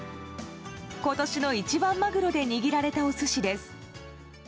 今年の一番マグロで握られたお寿司です。